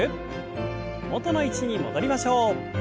元の位置に戻りましょう。